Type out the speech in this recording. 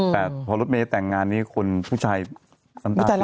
แต่พอรถเมย์แต่งงานนี้คุณผู้ชายซัมตาฟินไงนะ